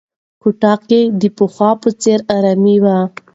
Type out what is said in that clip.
کوټه کې د پخوا په څېر ارامي وه.